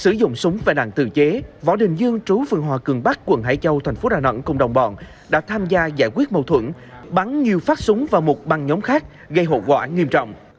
sử dụng súng và nạn tự chế võ đình dương trú phương hòa cường bắc quận hải châu thành phố đà nẵng cùng đồng bọn đã tham gia giải quyết mâu thuẫn bắn nhiều phát súng và một băng nhóm khác gây hậu quả nghiêm trọng